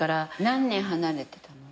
何年離れてたの？